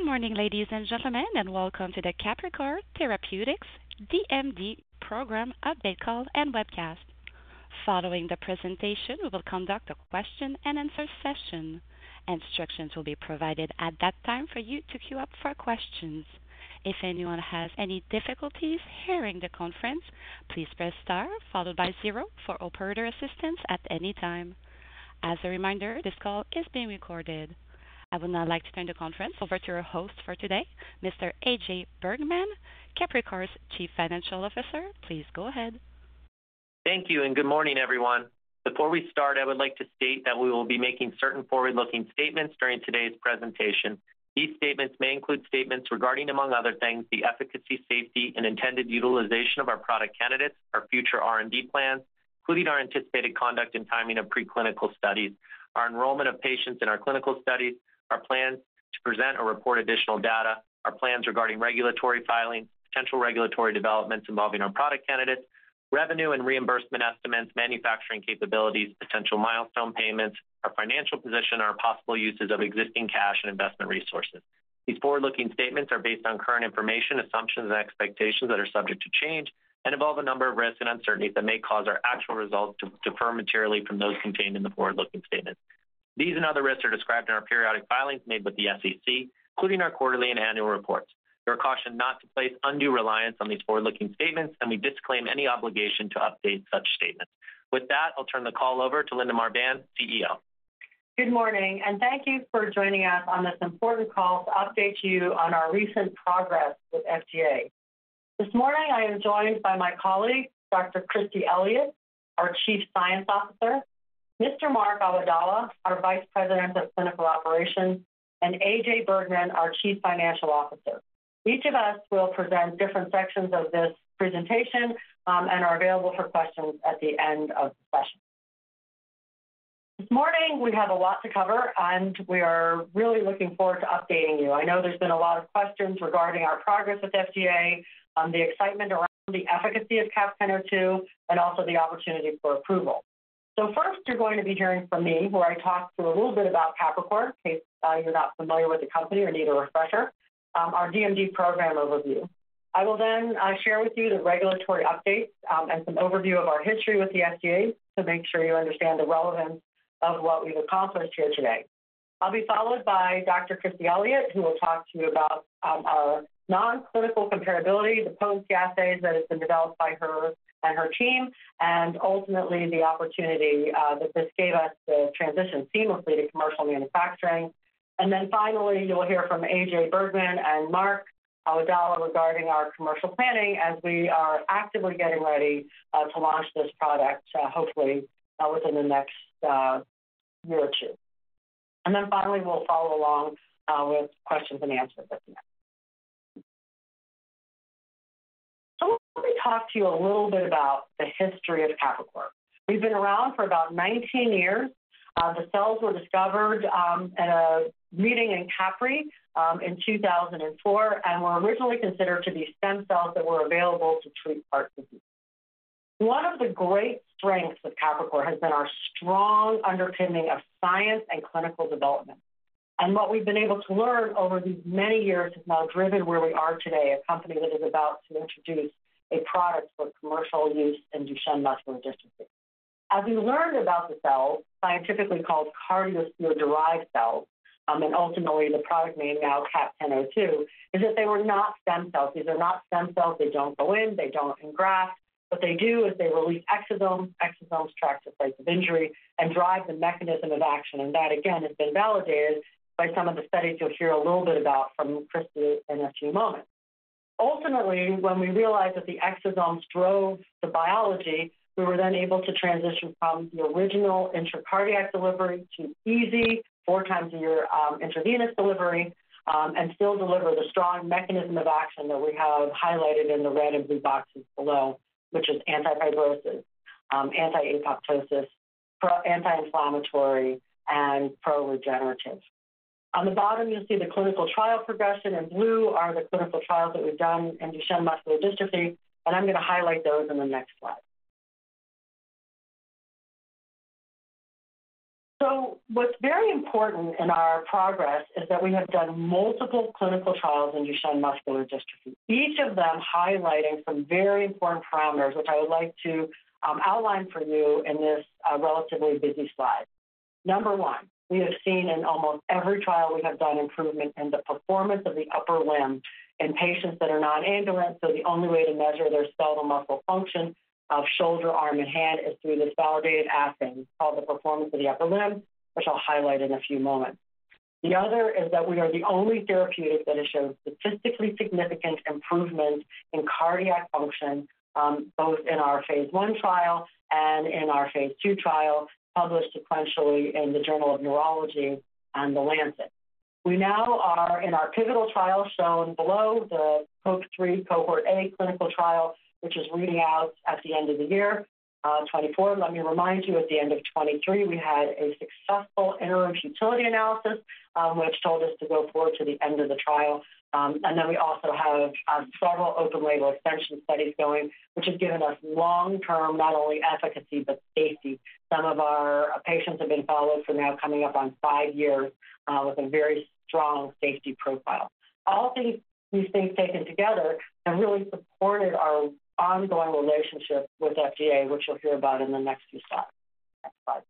Good morning, ladies and gentlemen, and welcome to the Capricor Therapeutics DMD Program Update Call and Webcast. Following the presentation, we will conduct a question-and-answer session. Instructions will be provided at that time for you to queue up for questions. If anyone has any difficulties hearing the conference, please press star followed by zero for operator assistance at any time. As a reminder, this call is being recorded. I would now like to turn the conference over to your host for today, Mr. A.J. Bergmann, Capricor's Chief Financial Officer. Please go ahead. Thank you, and good morning, everyone. Before we start, I would like to state that we will be making certain forward-looking statements during today's presentation. These statements may include statements regarding, among other things, the efficacy, safety, and intended utilization of our product candidates, our future R&D plans, including our anticipated conduct and timing of preclinical studies, our enrollment of patients in our clinical studies, our plans to present or report additional data, our plans regarding regulatory filings, potential regulatory developments involving our product candidates, revenue and reimbursement estimates, manufacturing capabilities, potential milestone payments, our financial position, or possible uses of existing cash and investment resources. These forward-looking statements are based on current information, assumptions, and expectations that are subject to change and involve a number of risks and uncertainties that may cause our actual results to differ materially from those contained in the forward-looking statements. These and other risks are described in our periodic filings made with the SEC, including our quarterly and annual reports. You are cautioned not to place undue reliance on these forward-looking statements, and we disclaim any obligation to update such statements. With that, I'll turn the call over to Linda Marbán, CEO. Good morning, and thank you for joining us on this important call to update you on our recent progress with FDA. This morning, I am joined by my colleague, Dr. Kristi Elliott, our Chief Science Officer, Mr. Mark Awadalla, our Vice President of Clinical Operations, and A.J. Bergmann, our Chief Financial Officer. Each of us will present different sections of this presentation, and are available for questions at the end of the session. This morning, we have a lot to cover, and we are really looking forward to updating you. I know there's been a lot of questions regarding our progress with FDA, the excitement around the efficacy of CAP-1002, and also the opportunity for approval. So first, you're going to be hearing from me, where I talk through a little bit about Capricor, in case you're not familiar with the company or need a refresher, our DMD program overview. I will then share with you the regulatory updates, and some overview of our history with the FDA to make sure you understand the relevance of what we've accomplished here today. I'll be followed by Dr. Kristi Elliott, who will talk to you about our non-clinical comparability, the potency assays that have been developed by her and her team, and ultimately the opportunity that this gave us to transition seamlessly to commercial manufacturing. And then finally, you'll hear from AJ Bergmann and Mark Awadalla regarding our commercial planning, as we are actively getting ready to launch this product, hopefully, within the next year or two. And then finally, we'll follow along with questions and answers at the end. So let me talk to you a little bit about the history of Capricor. We've been around for about 19 years. The cells were discovered at a meeting in Capri in 2004 and were originally considered to be stem cells that were available to treat heart disease. One of the great strengths of Capricor has been our strong underpinning of science and clinical development. And what we've been able to learn over these many years has now driven where we are today, a company that is about to introduce a product for commercial use in Duchenne muscular dystrophy. As we learned about the cells, scientifically called cardiosphere-derived cells, and ultimately the product name now CAP-1002, is that they were not stem cells. These are not stem cells. They don't go in. They don't engraft. What they do is they release exosomes. Exosomes track the place of injury and drive the mechanism of action, and that again has been validated by some of the studies you'll hear a little bit about from Kristi in a few moments. Ultimately, when we realized that the exosomes drove the biology, we were then able to transition from the original intracardiac delivery to easy, four times a year, intravenous delivery, and still deliver the strong mechanism of action that we have highlighted in the red and blue boxes below, which is anti-fibrosis, anti-apoptosis, anti-inflammatory, and pro-regenerative. On the bottom, you'll see the clinical trial progression. In blue are the clinical trials that we've done in Duchenne muscular dystrophy, and I'm going to highlight those in the next slide. So what's very important in our progress is that we have done multiple clinical trials in Duchenne muscular dystrophy, each of them highlighting some very important parameters, which I would like to outline for you in this relatively busy slide. Number one, we have seen in almost every trial we have done improvement in the performance of the upper limb in patients that are nonambulatory, so the only way to measure their skeletal muscle function of shoulder, arm, and hand is through this validated assessment, called the Performance of the Upper Limb, which I'll highlight in a few moments. The other is that we are the only therapeutic that has shown statistically significant improvement in cardiac function, both in our phase one trial and in our phase two trial, published sequentially in the Journal of Neurology and The Lancet. We now are in our pivotal trial, shown below, the HOPE-3 Cohort A clinical trial, which is reading out at the end of the year 2024. Let me remind you, at the end of 2023, we had a successful interim futility analysis, which told us to go forward to the end of the trial. And then we also have several open-label extension studies going, which has given us long-term, not only efficacy, but safety. Some of our patients have been followed for now coming up on 5 years with a very strong safety profile.... All these things taken together have really supported our ongoing relationship with FDA, which you'll hear about in the next few slides.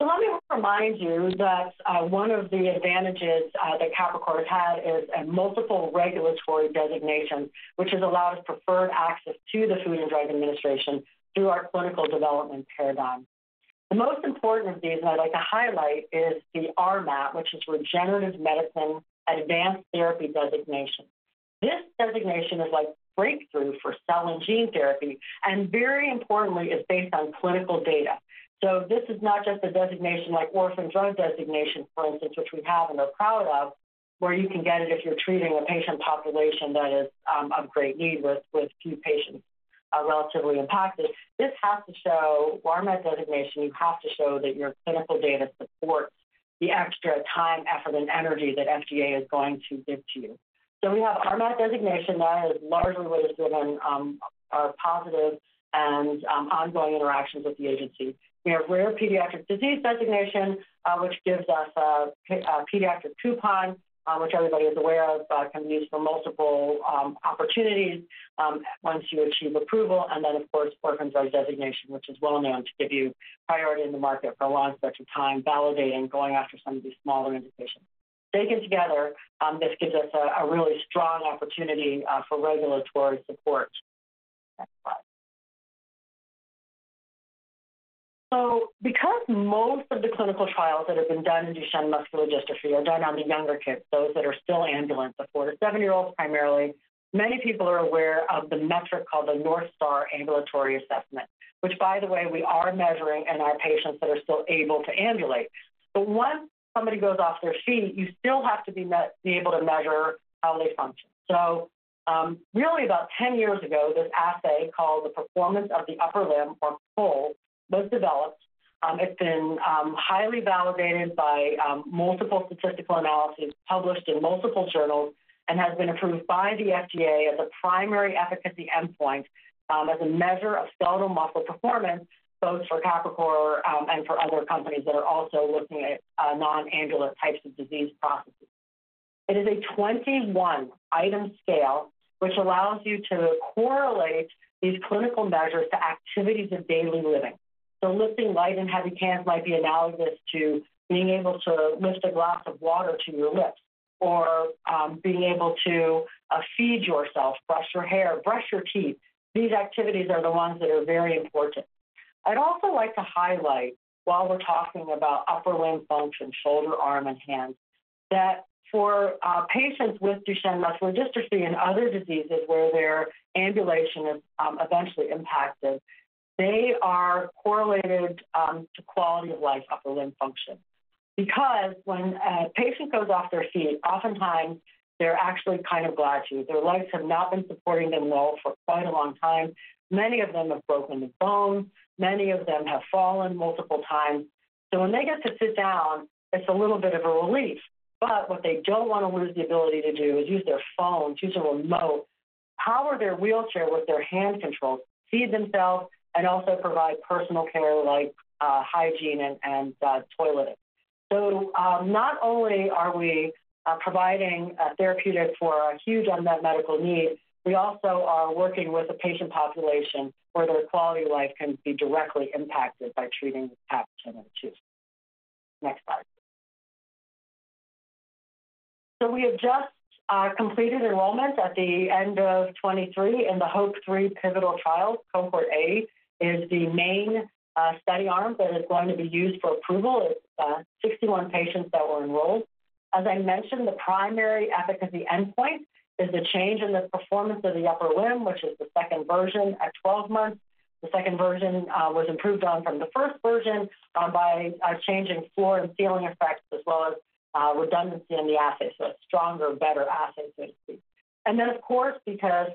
Next slide. Let me remind you that one of the advantages that Capricor has had is a multiple regulatory designation, which has allowed us preferred access to the Food and Drug Administration through our clinical development paradigm. The most important of these, and I'd like to highlight, is the RMAT, which is Regenerative Medicine Advanced Therapy designation. This designation is like breakthrough for cell and gene therapy, and very importantly, is based on clinical data. This is not just a designation like orphan drug designation, for instance, which we have and are proud of, where you can get it if you're treating a patient population that is of great need with few patients are relatively impacted. This has to show, RMAT designation, you have to show that your clinical data supports the extra time, effort, and energy that FDA is going to give to you. So we have RMAT designation that is largely what has driven our positive and ongoing interactions with the agency. We have Rare Pediatric Disease Designation, which gives us a pediatric coupon, which everybody is aware of, can be used for multiple opportunities once you achieve approval. And then, of course, Orphan Drug Designation, which is well known to give you priority in the market for a long stretch of time, validating, going after some of these smaller indications. Taken together, this gives us a really strong opportunity for regulatory support. Next slide. So because most of the clinical trials that have been done in Duchenne muscular dystrophy are done on the younger kids, those that are still ambulant, the 4 to 7-year-olds primarily, many people are aware of the metric called the North Star Ambulatory Assessment, which, by the way, we are measuring in our patients that are still able to ambulate. But once somebody goes off their feet, you still have to be able to measure how they function. So, really about 10 years ago, this assay called the Performance of the Upper Limb, or PUL, was developed. It's been highly validated by multiple statistical analyses, published in multiple journals, and has been approved by the FDA as a primary efficacy endpoint as a measure of skeletal muscle performance, both for Capricor and for other companies that are also looking at non-ambulant types of disease processes. It is a 21-item scale, which allows you to correlate these clinical measures to activities of daily living. So lifting light and heavy cans might be analogous to being able to lift a glass of water to your lips, or being able to feed yourself, brush your hair, brush your teeth. These activities are the ones that are very important. I'd also like to highlight, while we're talking about upper limb function, shoulder, arm, and hands, that for patients with Duchenne muscular dystrophy and other diseases where their ambulation is eventually impacted, they are correlated to quality of life, upper limb function. Because when a patient goes off their feet, oftentimes they're actually kind of glad to. Their legs have not been supporting them well for quite a long time. Many of them have broken bones. Many of them have fallen multiple times. So when they get to sit down, it's a little bit of a relief, but what they don't want to lose the ability to do is use their phone, use a remote, power their wheelchair with their hand controls, feed themselves, and also provide personal care like hygiene and toileting. So, not only are we providing a therapeutic for a huge unmet medical need, we also are working with a patient population where their quality of life can be directly impacted by treating CAP-1002. Next slide. So we have just completed enrollment at the end of 2023 in the HOPE-3 pivotal trial. Cohort A is the main study arm that is going to be used for approval. It's sixty-one patients that were enrolled. As I mentioned, the primary efficacy endpoint is the change in the Performance of the Upper Limb, which is the second version at 12 months. The second version was improved on from the first version by a change in floor and ceiling effects, as well as redundancy in the assay. So a stronger, better assay, basically. And then, of course, because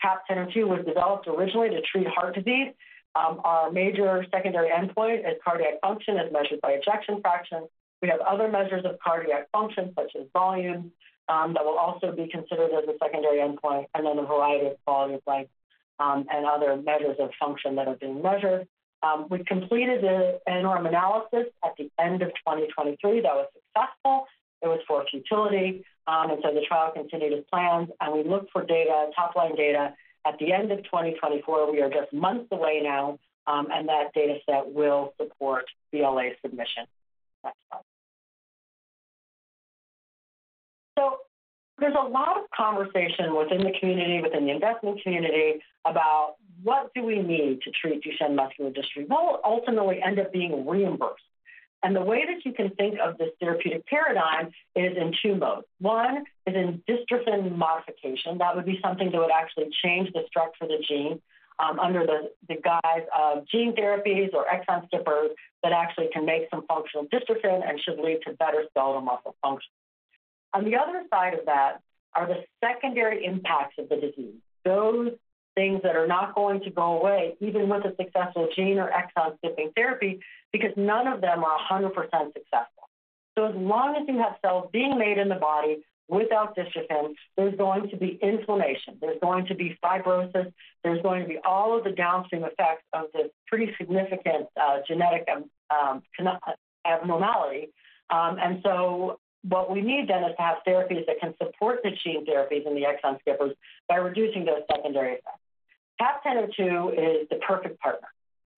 CAP-1002 was developed originally to treat heart disease, our major secondary endpoint is cardiac function as measured by ejection fraction. We have other measures of cardiac function, such as volume, that will also be considered as a secondary endpoint, and then a variety of quality of life, and other measures of function that are being measured. We completed the interim analysis at the end of 2023. That was successful. It was for futility, and so the trial continued as planned, and we look for data, top-line data at the end of 2024. We are just months away now, and that data set will support BLA submission. Next slide. So there's a lot of conversation within the community, within the investment community, about what do we need to treat Duchenne muscular dystrophy? What will ultimately end up being reimbursed? And the way that you can think of this therapeutic paradigm is in two modes. One is in dystrophin modification. That would be something that would actually change the structure of the gene, under the, the guise of gene therapies or exon skippers that actually can make some functional dystrophin and should lead to better skeletal muscle function. On the other side of that are the secondary impacts of the disease, those things that are not going to go away even with a successful gene or exon skipping therapy, because none of them are 100% successful.... So as long as you have cells being made in the body without dystrophin, there's going to be inflammation, there's going to be fibrosis, there's going to be all of the downstream effects of this pretty significant, genetic, abnormality. and so what we need then is to have therapies that can support the gene therapies and the exon skippers by reducing those secondary effects. CAP-1002 is the perfect partner.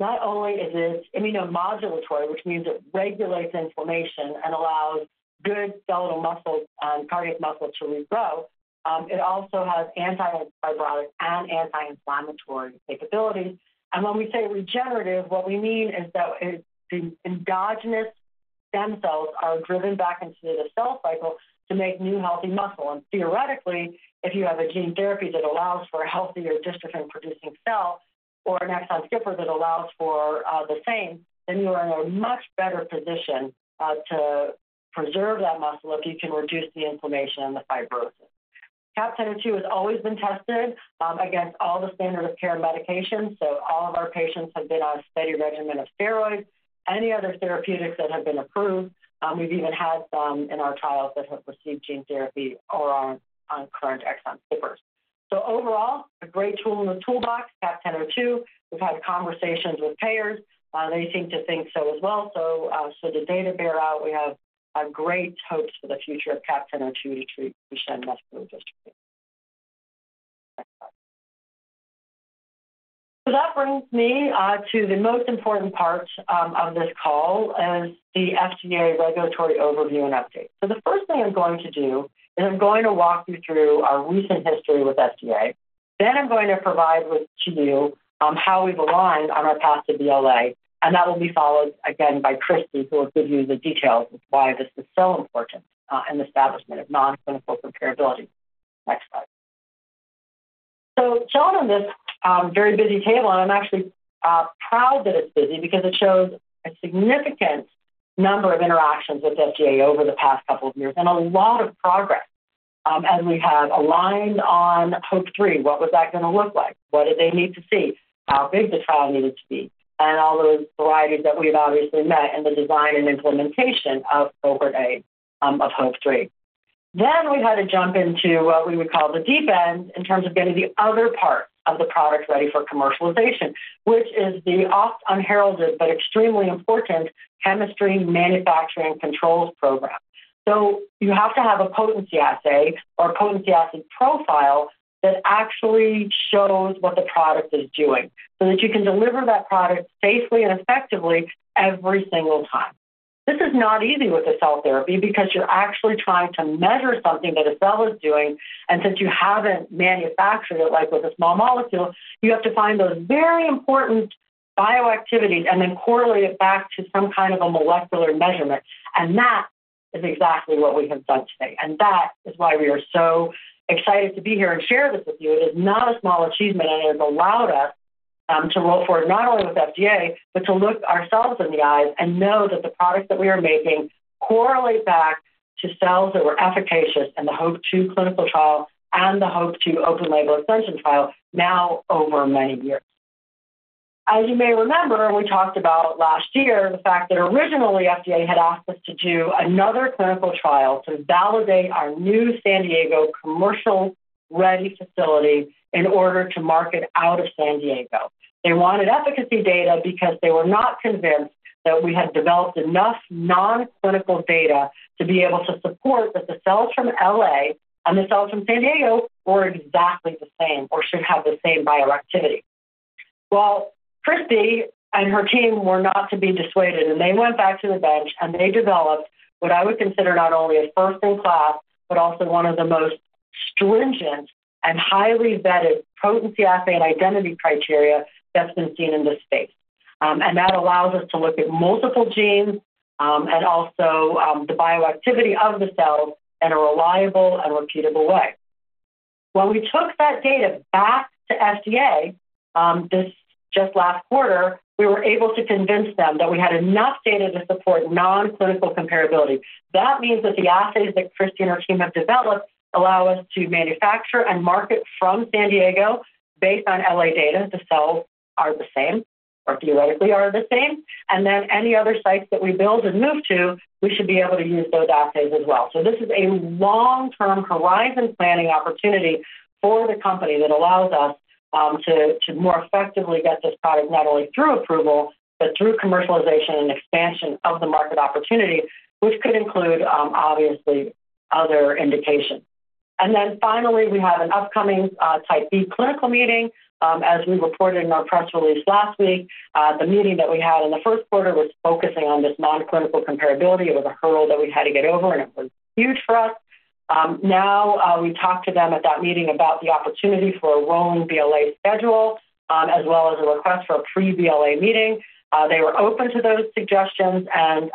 Not only is it immunomodulatory, which means it regulates inflammation and allows good skeletal muscles and cardiac muscle to regrow, it also has anti-fibrotic and anti-inflammatory capabilities. And when we say regenerative, what we mean is that the endogenous stem cells are driven back into the cell cycle to make new healthy muscle. And theoretically, if you have a gene therapy that allows for a healthier dystrophin-producing cell or an exon skipper that allows for, the same, then you are in a much better position, to preserve that muscle if you can reduce the inflammation and the fibrosis. CAP-1002 has always been tested against all the standard of care medications, so all of our patients have been on a steady regimen of steroids, any other therapeutics that have been approved. We've even had some in our trials that have received gene therapy or are on current exon skippers. So overall, a great tool in the toolbox, CAP-1002. We've had conversations with payers. They seem to think so as well. So the data bear out. We have a great hopes for the future of CAP-1002 to treat Duchenne muscular dystrophy. So that brings me to the most important part of this call, and it's the FDA regulatory overview and update. So the first thing I'm going to do is I'm going to walk you through our recent history with FDA. I'm going to provide to you how we've aligned on our path to BLA, and that will be followed again by Kristi, who will give you the details of why this is so important in the establishment of nonclinical comparability. Next slide. Shown on this very busy table, and I'm actually proud that it's busy because it shows a significant number of interactions with FDA over the past couple of years, and a lot of progress. We have aligned on HOPE-3. What was that going to look like? What did they need to see? How big the trial needed to be, and all those varieties that we've obviously met in the design and implementation of Cohort A, of HOPE-3. Then we had to jump into what we would call the deep end in terms of getting the other part of the product ready for commercialization, which is the oft unheralded but extremely important Chemistry, Manufacturing, and Controls program. So you have to have a potency assay or a potency assay profile that actually shows what the product is doing, so that you can deliver that product safely and effectively every single time. This is not easy with a cell therapy because you're actually trying to measure something that a cell is doing, and since you haven't manufactured it, like with a small molecule, you have to find those very important bioactivities and then correlate it back to some kind of a molecular measurement. That is exactly what we have done today, and that is why we are so excited to be here and share this with you. It is not a small achievement, and it has allowed us, to roll forward not only with FDA, but to look ourselves in the eyes and know that the products that we are making correlate back to cells that were efficacious in the HOPE-2 clinical trial and the HOPE-2 Open Label Extension trial now over many years. As you may remember, we talked about last year, the fact that originally FDA had asked us to do another clinical trial to validate our new San Diego commercial ready facility in order to market out of San Diego. They wanted efficacy data because they were not convinced that we had developed enough nonclinical data to be able to support that the cells from LA and the cells from San Diego were exactly the same or should have the same bioactivity. Well, Kristi and her team were not to be dissuaded, and they went back to the bench and they developed what I would consider not only a first in class, but also one of the most stringent and highly vetted potency assay and identity criteria that's been seen in this space. And that allows us to look at multiple genes, and also, the bioactivity of the cells in a reliable and repeatable way. When we took that data back to FDA, this just last quarter, we were able to convince them that we had enough data to support nonclinical comparability. That means that the assays that Kristi and her team have developed allow us to manufacture and market from San Diego based on LA data. The cells are the same, or theoretically are the same, and then any other sites that we build and move to, we should be able to use those assays as well. So this is a long-term horizon planning opportunity for the company that allows us to more effectively get this product not only through approval, but through commercialization and expansion of the market opportunity, which could include, obviously other indications. And then finally, we have an upcoming type B clinical meeting. As we reported in our press release last week, the meeting that we had in the first quarter was focusing on this nonclinical comparability. It was a hurdle that we had to get over, and it was huge for us. Now, we talked to them at that meeting about the opportunity for a rolling BLA schedule, as well as a request for a pre-BLA meeting. They were open to those suggestions and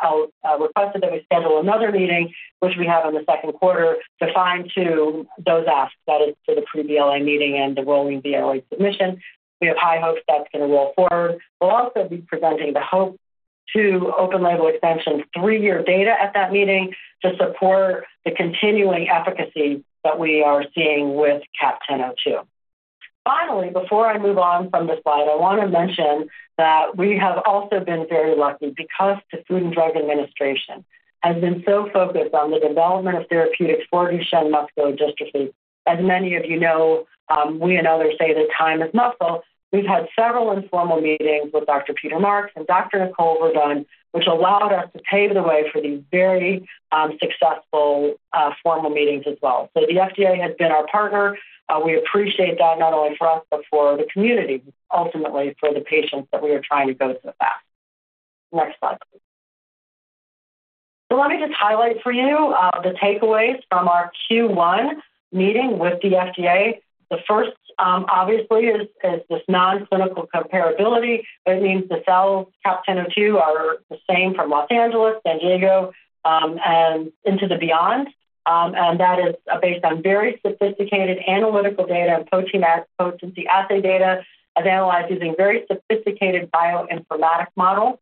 requested that we schedule another meeting, which we have in the second quarter, to fine-tune those asks. That is for the pre-BLA meeting and the rolling BLA submission. We have high hopes that's going to roll forward. We'll also be presenting the HOPE-2 open-label extension three-year data at that meeting to support the continuing efficacy that we are seeing with CAP-1002. Finally, before I move on from this slide, I wanna mention that we have also been very lucky because the Food and Drug Administration has been so focused on the development of therapeutics for Duchenne muscular dystrophy. As many of you know, we and others say that time is muscle. We've had several informal meetings with Dr. Peter Marks and Dr. Nicole Verdun, which allowed us to pave the way for these very, successful, formal meetings as well. So the FDA has been our partner. We appreciate that not only for us, but for the community, ultimately for the patients that we are trying to go to the back. Next slide. So let me just highlight for you, the takeaways from our Q1 meeting with the FDA. The first, obviously is this non-clinical comparability. It means the cells, CAP-1002 are the same from Los Angeles, San Diego, and into the beyond. And that is based on very sophisticated analytical data and potency assay data, as analyzed using very sophisticated bioinformatics model.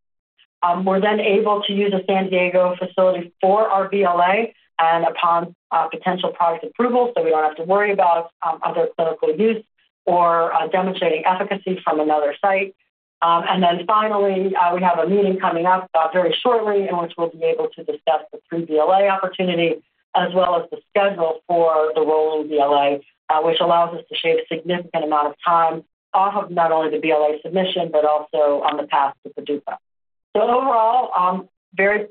We're then able to use a San Diego facility for our BLA and upon potential product approval, so we don't have to worry about other clinical use or demonstrating efficacy from another site. And then finally, we have a meeting coming up very shortly in which we'll be able to discuss the pre-BLA opportunity, as well as the schedule for the rolling BLA, which allows us to shave a significant amount of time off of not only the BLA submission, but also on the path to the PDUFA. So overall, very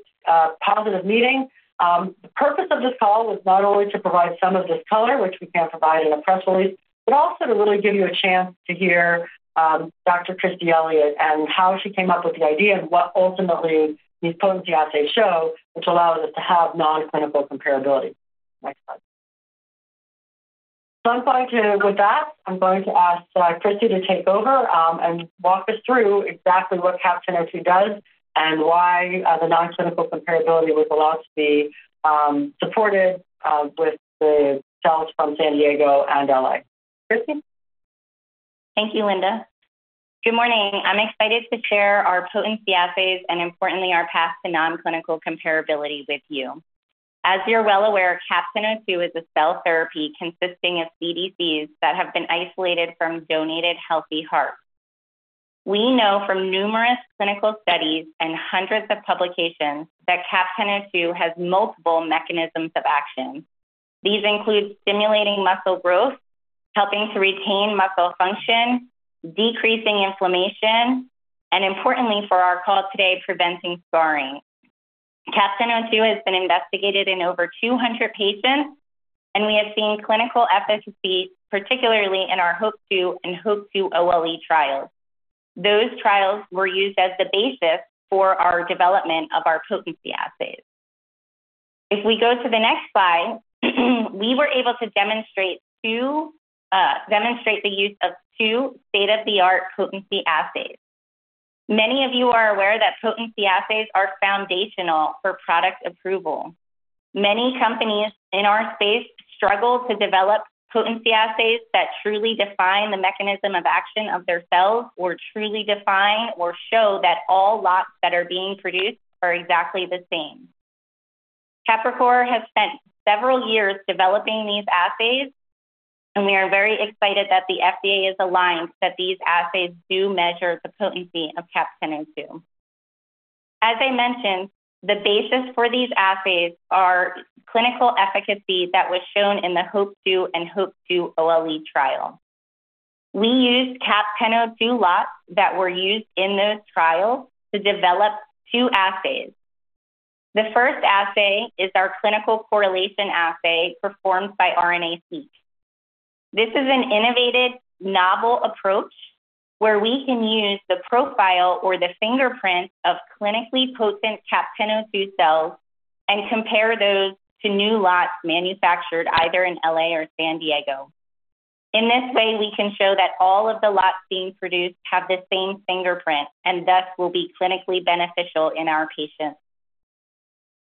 positive meeting. The purpose of this call was not only to provide some of this color, which we can't provide in a press release, but also to really give you a chance to hear Dr. Kristi Elliott and how she came up with the idea and what ultimately these potency assays show, which allows us to have non-clinical comparability. Next slide. So I'm going to go back. I'm going to ask, Kristi to take over, and walk us through exactly what CAP-1002 does and why, the non-clinical comparability was allowed to be, supported, with the cells from San Diego and L.A. Kristi? Thank you, Linda. Good morning. I'm excited to share our potency assays and importantly, our path to non-clinical comparability with you. As you're well aware, CAP-1002 is a cell therapy consisting of CDCs that have been isolated from donated healthy hearts. We know from numerous clinical studies and hundreds of publications that CAP-1002 has multiple mechanisms of action. These include stimulating muscle growth, helping to retain muscle function, decreasing inflammation, and importantly, for our call today, preventing scarring. CAP-1002 has been investigated in over 200 patients, and we have seen clinical efficacy, particularly in our HOPE-2 and HOPE-2 OLE trials. Those trials were used as the basis for our development of our potency assays. If we go to the next slide, we were able to demonstrate two, demonstrate the use of two state-of-the-art potency assays. Many of you are aware that potency assays are foundational for product approval. Many companies in our space struggle to develop potency assays that truly define the mechanism of action of their cells, or truly define or show that all lots that are being produced are exactly the same. Capricor has spent several years developing these assays, and we are very excited that the FDA is aligned, that these assays do measure the potency of CAP-1002. As I mentioned, the basis for these assays are clinical efficacy that was shown in the HOPE-2 and HOPE-2 OLE trial. We used CAP-1002 lots that were used in those trials to develop two assays. The first assay is our clinical correlation assay performed by RNA-seq. This is an innovative novel approach where we can use the profile or the fingerprint of clinically potent CAP-1002 cells and compare those to new lots manufactured either in LA or San Diego. In this way, we can show that all of the lots being produced have the same fingerprint and thus will be clinically beneficial in our patients.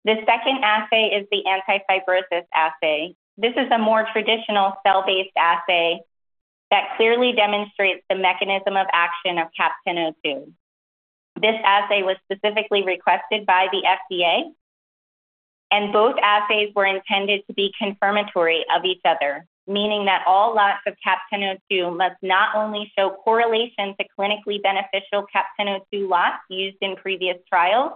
The second assay is the anti-fibrosis assay. This is a more traditional cell-based assay that clearly demonstrates the mechanism of action of CAP-1002. This assay was specifically requested by the FDA, and both assays were intended to be confirmatory of each other, meaning that all lots of CAP-1002 must not only show correlation to clinically beneficial CAP-1002 lots used in previous trials,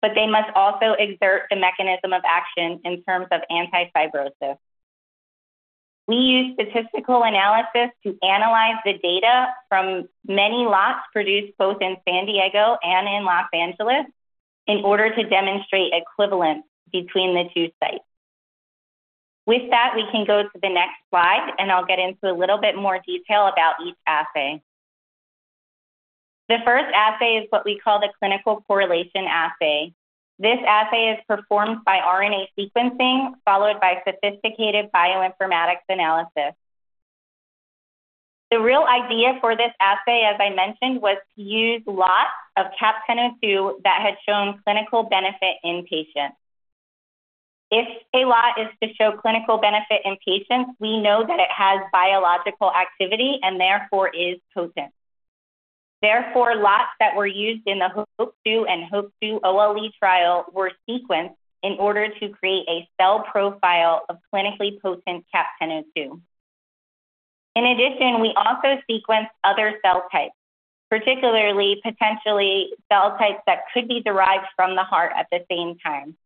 but they must also exert the mechanism of action in terms of anti-fibrosis. We use statistical analysis to analyze the data from many lots produced both in San Diego and in Los Angeles, in order to demonstrate equivalence between the two sites. With that, we can go to the next slide, and I'll get into a little bit more detail about each assay. The first assay is what we call the clinical correlation assay. This assay is performed by RNA sequencing, followed by sophisticated bioinformatics analysis. The real idea for this assay, as I mentioned, was to use lots of CAP-1002 that had shown clinical benefit in patients. If a lot is to show clinical benefit in patients, we know that it has biological activity and therefore is potent.... Therefore, lots that were used in the HOPE-2 and HOPE-2 OLE trial were sequenced in order to create a cell profile of clinically potent CAP-1002. In addition, we also sequenced other cell types, particularly potentially cell types that could be derived from the heart at the same time.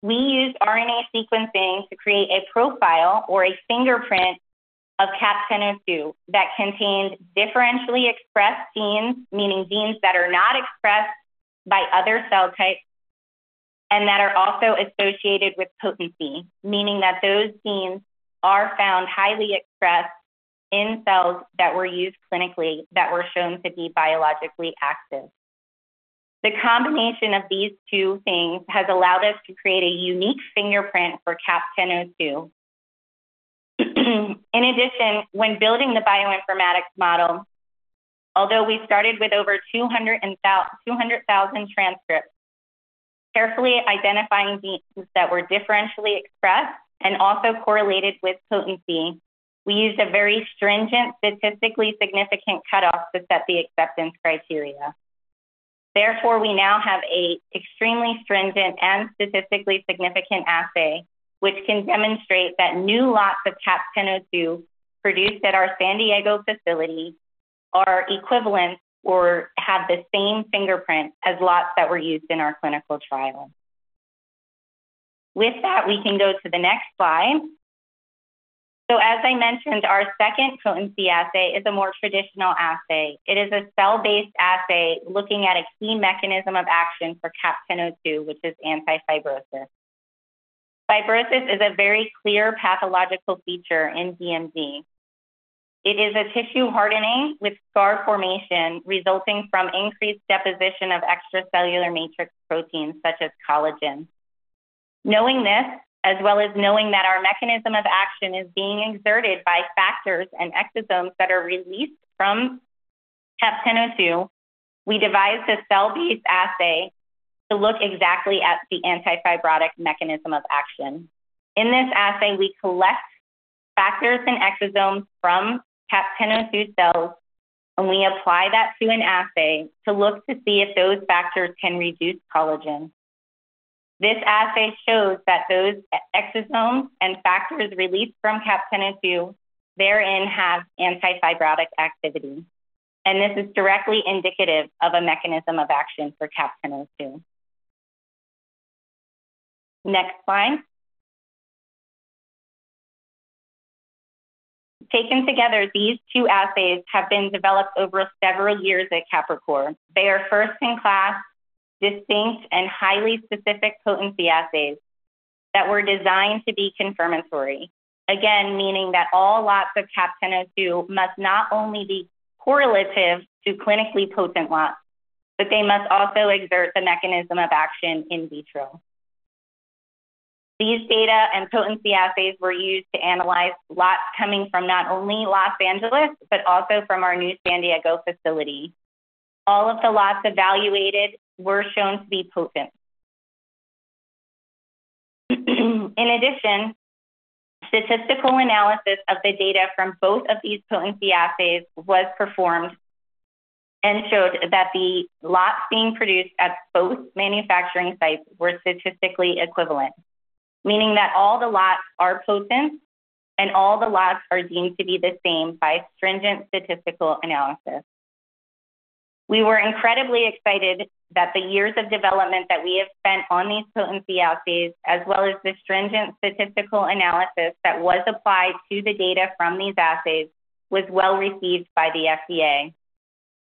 We used RNA sequencing to create a profile or a fingerprint of CAP-1002 that contained differentially expressed genes, meaning genes that are not expressed by other cell types and that are also associated with potency, meaning that those genes are found highly expressed in cells that were used clinically that were shown to be biologically active. The combination of these two things has allowed us to create a unique fingerprint for CAP-1002. In addition, when building the bioinformatics model, although we started with over 200,000 transcripts, carefully identifying genes that were differentially expressed and also correlated with potency, we used a very stringent, statistically significant cutoff to set the acceptance criteria. Therefore, we now have an extremely stringent and statistically significant assay, which can demonstrate that new lots of CAP-1002 produced at our San Diego facility are equivalent or have the same fingerprint as lots that were used in our clinical trial. With that, we can go to the next slide. So as I mentioned, our second potency assay is a more traditional assay. It is a cell-based assay looking at a key mechanism of action for CAP-1002, which is anti-fibrosis. Fibrosis is a very clear pathological feature in DMD. It is a tissue hardening with scar formation, resulting from increased deposition of extracellular matrix proteins, such as collagen. Knowing this, as well as knowing that our mechanism of action is being exerted by factors and exosomes that are released from CAP-1002, we devised a cell-based assay to look exactly at the anti-fibrotic mechanism of action. In this assay, we collect factors and exosomes from CAP-1002 cells, and we apply that to an assay to look to see if those factors can reduce collagen. This assay shows that those exosomes and factors released from CAP-1002 therein have anti-fibrotic activity, and this is directly indicative of a mechanism of action for CAP-1002. Next slide. Taken together, these two assays have been developed over several years at Capricor. They are first-in-class, distinct, and highly specific potency assays that were designed to be confirmatory. Again, meaning that all lots of CAP-1002 must not only be correlative to clinically potent lots, but they must also exert the mechanism of action in vitro. These data and potency assays were used to analyze lots coming from not only Los Angeles, but also from our new San Diego facility. All of the lots evaluated were shown to be potent. In addition, statistical analysis of the data from both of these potency assays was performed and showed that the lots being produced at both manufacturing sites were statistically equivalent, meaning that all the lots are potent and all the lots are deemed to be the same by stringent statistical analysis. We were incredibly excited that the years of development that we have spent on these potency assays, as well as the stringent statistical analysis that was applied to the data from these assays, was well received by the FDA,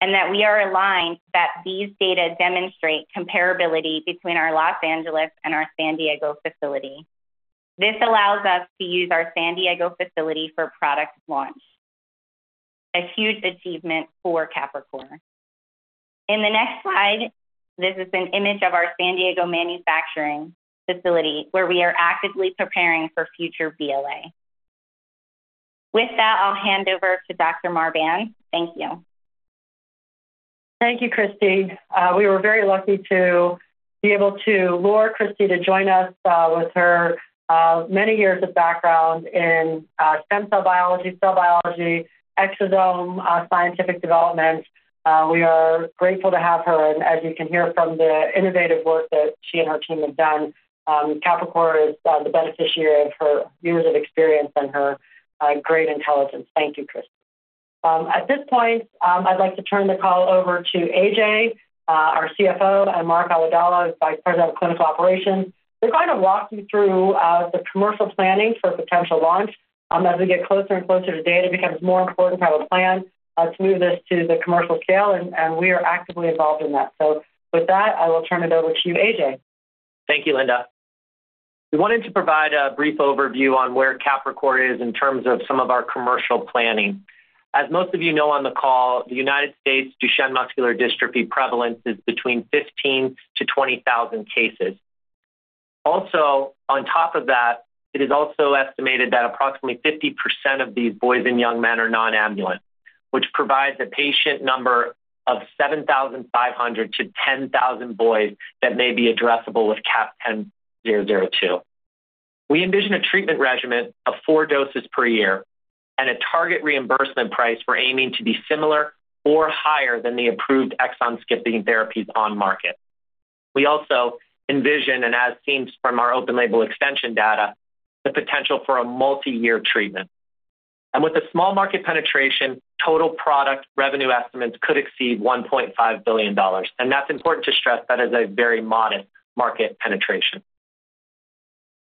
and that we are aligned that these data demonstrate comparability between our Los Angeles and our San Diego facility. This allows us to use our San Diego facility for product launch, a huge achievement for Capricor. In the next slide, this is an image of our San Diego manufacturing facility, where we are actively preparing for future BLA. With that, I'll hand over to Dr. Marbán. Thank you. Thank you, Kristi. We were very lucky to be able to lure Kristi to join us, with her many years of background in stem cell biology, cell biology, exosome scientific development. We are grateful to have her, and as you can hear from the innovative work that she and her team have done, Capricor is the beneficiary of her years of experience and her great intelligence. Thank you, Kristi. At this point, I'd like to turn the call over to A.J., our CFO, and Mark Awadalla, Vice President of Clinical Operations. They're going to walk you through the commercial planning for potential launch. As we get closer and closer to data, it becomes more important to have a plan to move this to the commercial scale, and we are actively involved in that. With that, I will turn it over to you, A.J. Thank you, Linda. We wanted to provide a brief overview on where Capricor is in terms of some of our commercial planning. As most of you know on the call, the United States Duchenne muscular dystrophy prevalence is between 15,000-20,000 cases. Also, on top of that, it is also estimated that approximately 50% of these boys and young men are non-ambulant, which provides a patient number of 7,500-10,000 boys that may be addressable with CAP-1002. We envision a treatment regimen of 4 doses per year and a target reimbursement price we're aiming to be similar or higher than the approved exon-skipping therapies on market. We also envision, and as seen from our open label extension data, the potential for a multi-year treatment. With a small market penetration, total product revenue estimates could exceed $1.5 billion. That's important to stress. That is a very modest market penetration.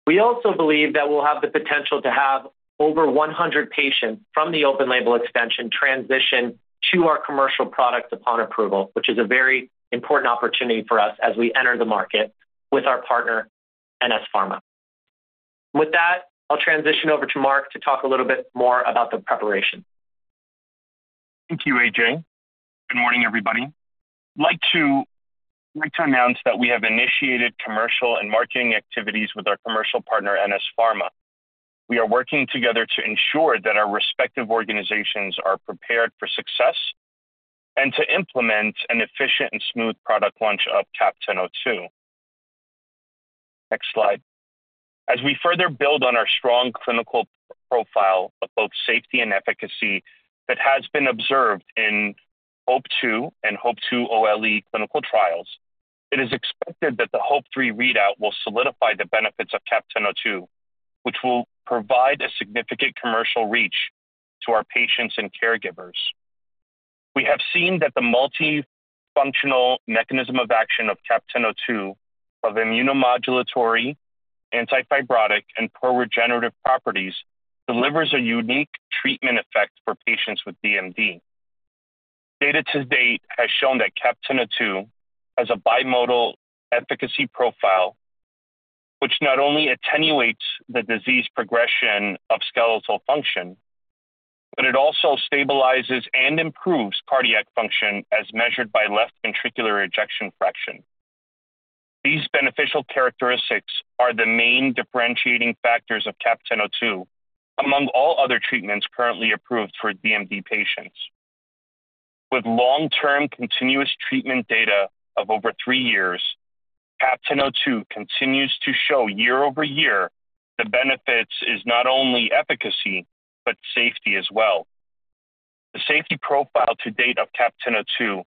We also believe that we'll have the potential to have over 100 patients from the open label extension transition to our commercial product upon approval, which is a very important opportunity for us as we enter the market with our partner, NS Pharma. With that, I'll transition over to Mark to talk a little bit more about the preparation. Thank you, A.J. Good morning, everybody. Like to announce that we have initiated commercial and marketing activities with our commercial partner, NS Pharma. We are working together to ensure that our respective organizations are prepared for success and to implement an efficient and smooth product launch of CAP-1002. Next slide. As we further build on our strong clinical profile of both safety and efficacy that has been observed in HOPE-2 and HOPE-2 OLE clinical trials, it is expected that the HOPE-3 readout will solidify the benefits of CAP-1002, which will provide a significant commercial reach to our patients and caregivers. We have seen that the multifunctional mechanism of action of CAP-1002 of immunomodulatory, anti-fibrotic, and pro-regenerative properties delivers a unique treatment effect for patients with DMD. Data to date has shown that CAP-1002 has a bimodal efficacy profile, which not only attenuates the disease progression of skeletal function, but it also stabilizes and improves cardiac function as measured by left ventricular ejection fraction. These beneficial characteristics are the main differentiating factors of CAP-1002 among all other treatments currently approved for DMD patients. With long-term continuous treatment data of over 3 years, CAP-1002 continues to show year-over-year the benefits is not only efficacy, but safety as well. The safety profile to date of CAP-1002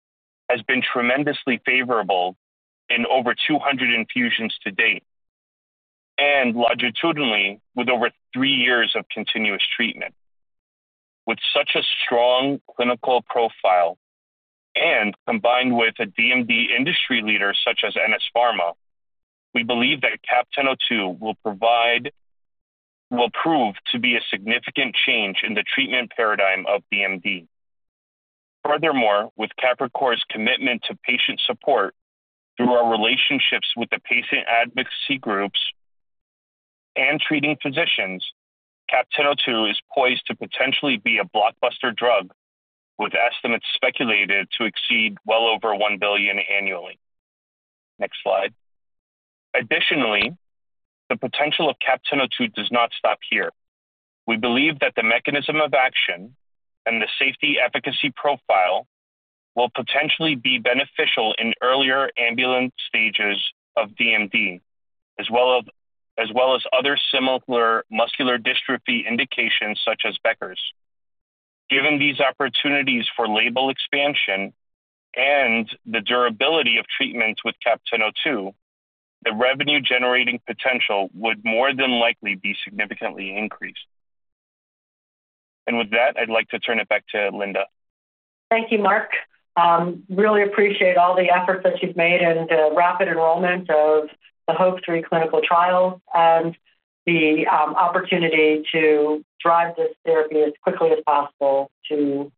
has been tremendously favorable in over 200 infusions to date and longitudinally with over 3 years of continuous treatment. With such a strong clinical profile and combined with a DMD industry leader such as NS Pharma, we believe that CAP-1002 will provide-- will prove to be a significant change in the treatment paradigm of DMD. Furthermore, with Capricor's commitment to patient support through our relationships with the patient advocacy groups and treating physicians, CAP-1002 is poised to potentially be a blockbuster drug, with estimates speculated to exceed well over $1 billion annually. Next slide. Additionally, the potential of CAP-1002 does not stop here. We believe that the mechanism of action and the safety efficacy profile will potentially be beneficial in earlier ambulant stages of DMD, as well as, as well as other similar muscular dystrophy indications such as Becker's. Given these opportunities for label expansion and the durability of treatment with CAP-1002, the revenue-generating potential would more than likely be significantly increased. With that, I'd like to turn it back to Linda. Thank you, Mark. Really appreciate all the efforts that you've made and the rapid enrollment of the HOPE-3 clinical trial and the opportunity to drive this therapy as quickly as possible to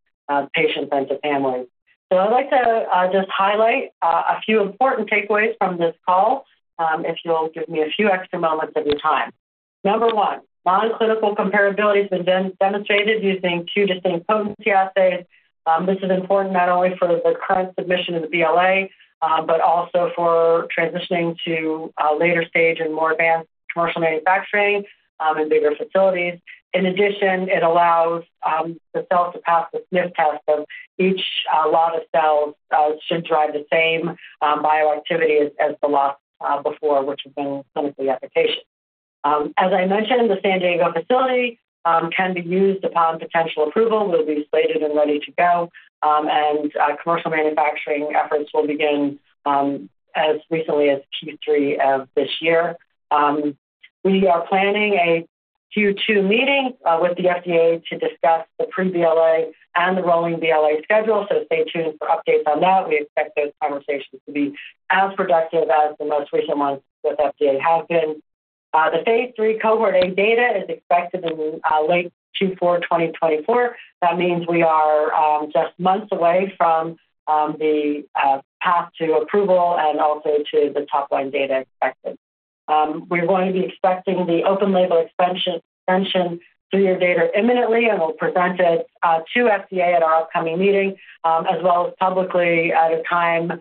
patients and to families. So I'd like to just highlight a few important takeaways from this call, if you'll give me a few extra moments of your time. Number 1, non-clinical comparability has been demonstrated using two distinct potency assays. This is important not only for the current submission of the BLA, but also for transitioning to a later stage and more advanced commercial manufacturing and bigger facilities. In addition, it allows the cells to pass the sniff test, so each lot of cells should drive the same bioactivity as the lot before, which has been clinically efficacious. As I mentioned, the San Diego facility can be used upon potential approval, will be slated and ready to go, and commercial manufacturing efforts will begin as recently as Q3 of this year. We are planning a Q2 meeting with the FDA to discuss the pre-BLA and the rolling BLA schedule, so stay tuned for updates on that. We expect those conversations to be as productive as the most recent ones with FDA have been. The phase three cohort A data is expected in late 2024. That means we are just months away from the path to approval and also to the top-line data expected. We're going to be expecting the open label expansion three-year data imminently, and we'll present it to FDA at our upcoming meeting, as well as publicly at a time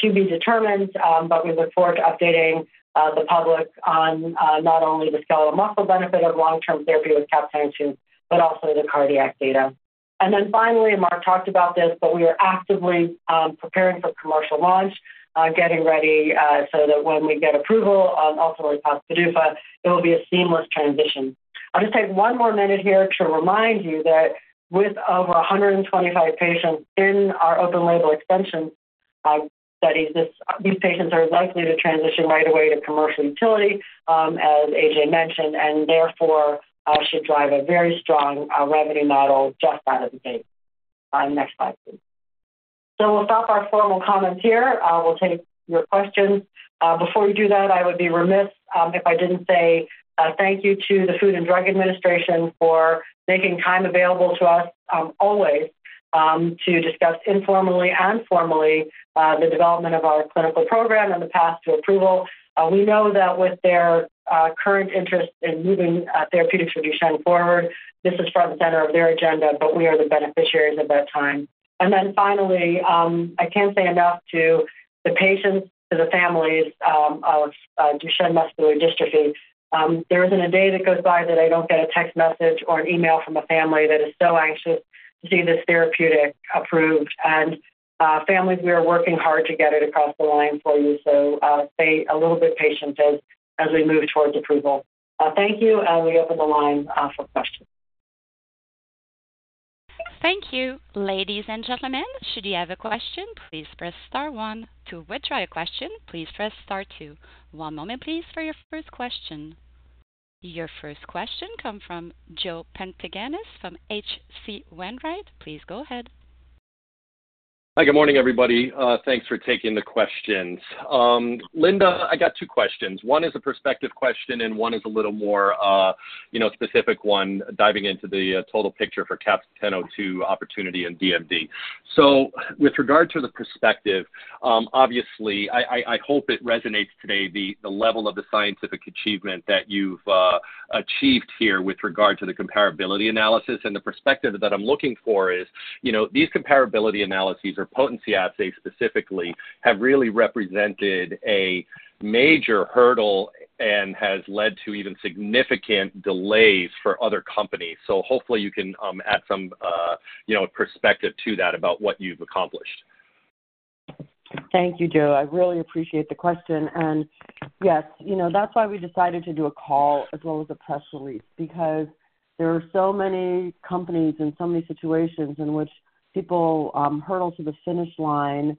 to be determined. But we look forward to updating the public on not only the skeletal muscle benefit of long-term therapy with CAP-1002, but also the cardiac data. And then finally, and Mark talked about this, but we are actively preparing for commercial launch, getting ready, so that when we get approval on ultimately PDUFA, it will be a seamless transition. I'll just take one more minute here to remind you that with over 125 patients in our open label extension studies, these patients are likely to transition right away to commercial utility, as AJ mentioned, and therefore should drive a very strong revenue model just out of the gate. Next slide, please. We'll stop our formal comments here. We'll take your questions. Before we do that, I would be remiss if I didn't say thank you to the Food and Drug Administration for making time available to us, always, to discuss informally and formally the development of our clinical program and the path to approval. We know that with their current interest in moving therapeutics for Duchenne forward, this is front and center of their agenda, but we are the beneficiaries of that time. And then finally, I can't say enough to the patients, to the families, of Duchenne muscular dystrophy. There isn't a day that goes by that I don't get a text message or an email from a family that is so anxious to see this therapeutic approved. And, families, we are working hard to get it across the line for you. So, stay a little bit patient as we move towards approval. Thank you. And we open the line for questions. Thank you. Ladies and gentlemen, should you have a question, please press star one. To withdraw your question, please press star two. One moment, please, for your first question. Your first question come from Joe Pantginis from HC Wainwright. Please go ahead. Hi, good morning, everybody. Thanks for taking the questions. Linda, I got two questions. One is a perspective question, and one is a little more specific one, diving into the total picture for CAP-1002 opportunity in DMD. So with regard to the perspective, obviously, I hope it resonates today, the level of the scientific achievement that you've achieved here with regard to the comparability analysis. And the perspective that I'm looking for is, you know, these comparability analyses or potency assays specifically, have really represented a major hurdle and has led to even significant delays for other companies. So hopefully you can add some perspective to that about what you've accomplished. Thank you, Joe. I really appreciate the question. And yes, you know, that's why we decided to do a call as well as a press release, because there are so many companies and so many situations in which people, hurdle to the finish line,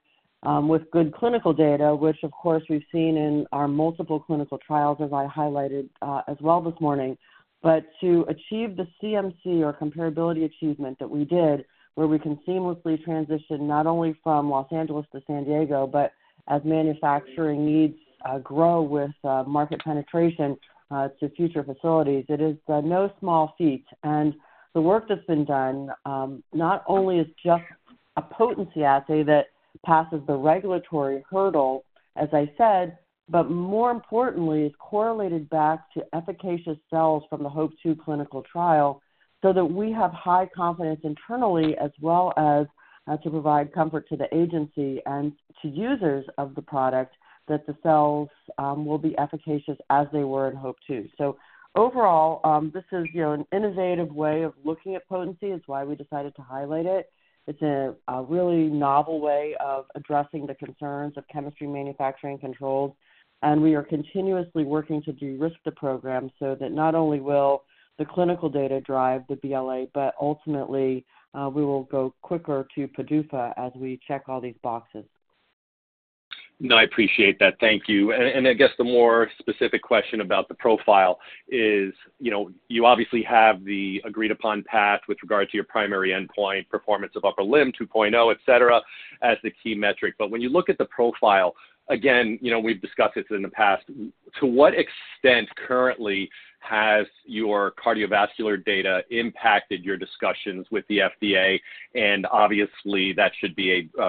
with good clinical data, which of course, we've seen in our multiple clinical trials, as I highlighted, as well this morning. But to achieve the CMC or comparability achievement that we did, where we can seamlessly transition not only from Los Angeles to San Diego, but as manufacturing needs, grow with, market penetration, to future facilities, it is, no small feat. The work that's been done, not only is just a potency assay that passes the regulatory hurdle, as I said, but more importantly, it's correlated back to efficacious cells from the HOPE-2 clinical trial, so that we have high confidence internally, as well as to provide comfort to the agency and to users of the product, that the cells will be efficacious as they were in HOPE-2. So overall, this is, you know, an innovative way of looking at potency. It's why we decided to highlight it. It's a, a really novel way of addressing the concerns of chemistry, manufacturing, controls, and we are continuously working to de-risk the program so that not only will the clinical data drive the BLA, but ultimately, we will go quicker to PDUFA as we check all these boxes. No, I appreciate that. Thank you. And I guess the more specific question about the profile is, you know, you obviously have the agreed upon path with regard to your primary endpoint, Performance of the Upper Limb 2.0, et cetera, as the key metric. But when you look at the profile, again, you know, we've discussed this in the past, to what extent currently has your cardiovascular data impacted your discussions with the FDA? And obviously, that should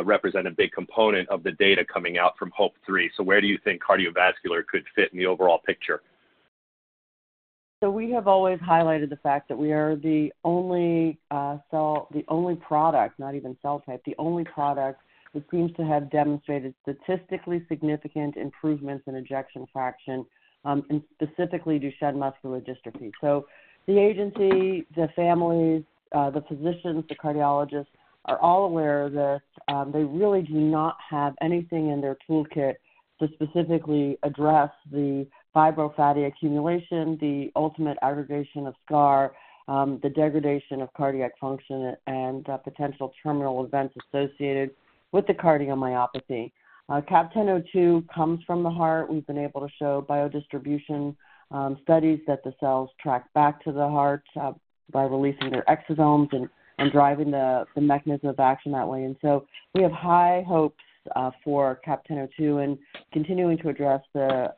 represent a big component of the data coming out from HOPE-3. So where do you think cardiovascular could fit in the overall picture? So we have always highlighted the fact that we are the only cell, the only product, not even cell type, the only product that seems to have demonstrated statistically significant improvements in ejection fraction and specifically Duchenne muscular dystrophy. So the agency, the families, the physicians, the cardiologists, are all aware that they really do not have anything in their toolkit to specifically address the fibro-fatty accumulation, the ultimate aggregation of scar, the degradation of cardiac function and potential terminal events associated with the cardiomyopathy. CAP-1002 comes from the heart. We've been able to show biodistribution studies that the cells track back to the heart by releasing their exosomes and driving the mechanism of action that way. And so we have high hopes for CAP-1002 and continuing to address the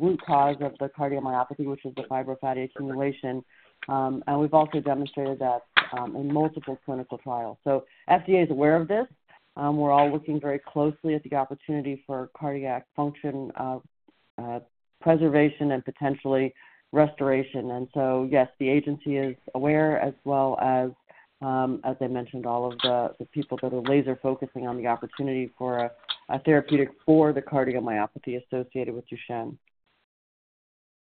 root cause of the cardiomyopathy, which is the fibro-fatty accumulation. And we've also demonstrated that in multiple clinical trials. So FDA is aware of this. We're all looking very closely at the opportunity for cardiac function preservation and potentially restoration. And so, yes, the agency is aware as well as, as I mentioned, all of the people that are laser focusing on the opportunity for a therapeutic for the cardiomyopathy associated with Duchenne.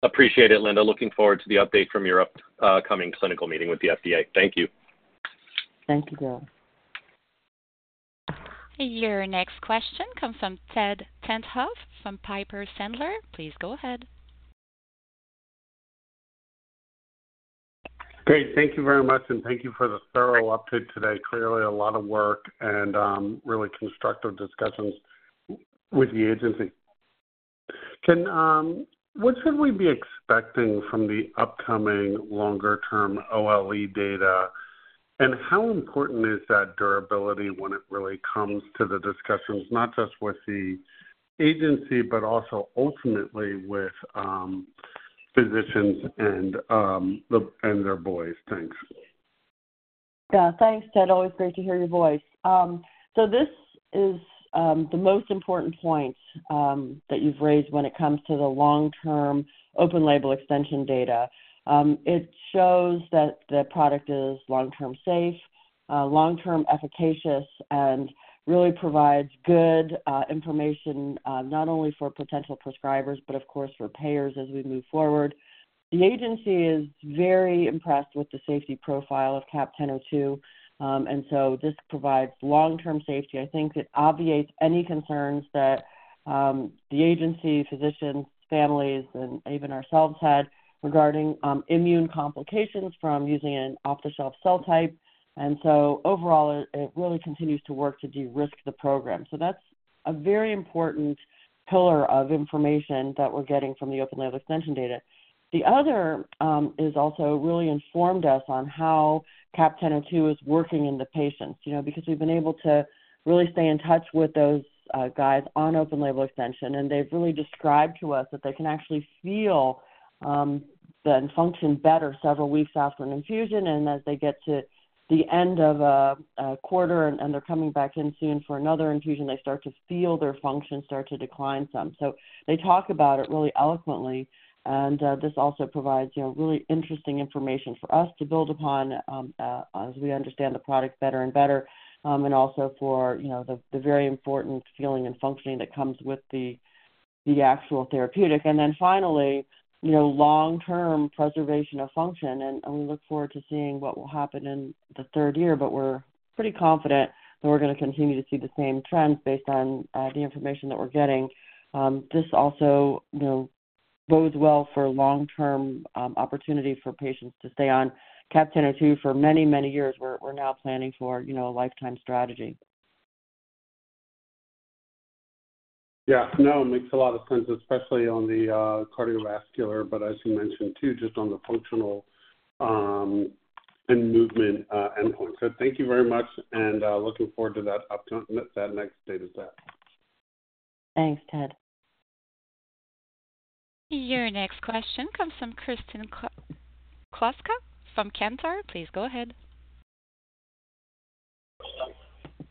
Appreciate it, Linda. Looking forward to the update from your upcoming clinical meeting with the FDA. Thank you. Thank you, Joe. Your next question comes from Ted Tenthoff from Piper Sandler. Please go ahead. Great, thank you very much, and thank you for the thorough update today. Clearly a lot of work and, really constructive discussions with the agency. What should we be expecting from the upcoming longer-term OLE data? And how important is that durability when it really comes to the discussions, not just with the agency, but also ultimately with physicians and their boys? Thanks. Yeah. Thanks, Ted. Always great to hear your voice. So this is the most important point that you've raised when it comes to the long-term open label extension data. It shows that the product is long-term safe, long-term efficacious, and really provides good information not only for potential prescribers, but of course, for payers as we move forward. The agency is very impressed with the safety profile of CAP-1002. And so this provides long-term safety. I think it obviates any concerns that the agency, physicians, families, and even ourselves had regarding immune complications from using an off-the-shelf cell type. And so overall, it really continues to work to de-risk the program. So that's a very important pillar of information that we're getting from the open label extension data. The other is also really informed us on how CAP-1002 is working in the patients, you know, because we've been able to really stay in touch with those guys on open label extension, and they've really described to us that they can actually feel then function better several weeks after an infusion. And as they get to the end of a quarter and they're coming back in soon for another infusion, they start to feel their function start to decline some. So they talk about it really eloquently, and this also provides, you know, really interesting information for us to build upon as we understand the product better and better. And also for, you know, the very important feeling and functioning that comes with the actual therapeutic. And then finally, you know, long-term preservation of function, and we look forward to seeing what will happen in the third year, but we're pretty confident that we're gonna continue to see the same trends based on the information that we're getting. This also, you know, bodes well for long-term opportunity for patients to stay on CAP-1002 for many, many years. We're now planning for, you know, a lifetime strategy. Yeah. No, it makes a lot of sense, especially on the cardiovascular, but as you mentioned too, just on the functional and movement endpoint. So thank you very much, and looking forward to that upcoming, that next data set. Thanks, Ted. Your next question comes from Kristen Kluska from Cantor. Please go ahead.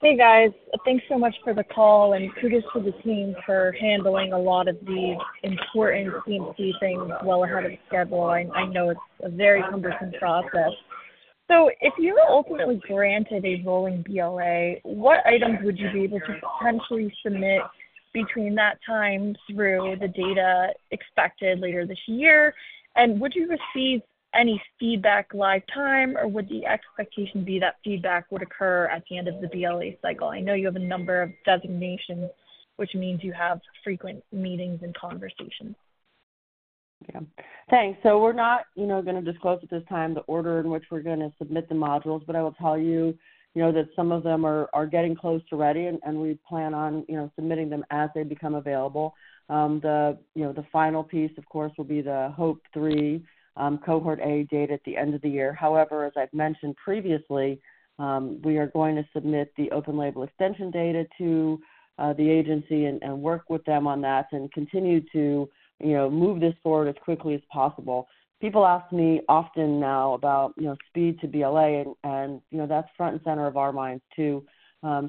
Hey, guys. Thanks so much for the call and kudos to the team for handling a lot of these important CMC things well ahead of schedule. I know it's a very cumbersome process. So if you were ultimately granted a rolling BLA, what items would you be able to potentially submit between that time through the data expected later this year? And would you receive any feedback live time, or would the expectation be that feedback would occur at the end of the BLA cycle? I know you have a number of designations, which means you have frequent meetings and conversations. Yeah. Thanks. So we're not, you know, gonna disclose at this time the order in which we're gonna submit the modules, but I will tell you, you know, that some of them are getting close to ready, and we plan on, you know, submitting them as they become available. You know, the final piece, of course, will be the HOPE-3 Cohort A data at the end of the year. However, as I've mentioned previously, we are going to submit the open label extension data to the agency and work with them on that and continue to, you know, move this forward as quickly as possible. People ask me often now about, you know, speed to BLA, and, you know, that's front and center of our minds, too.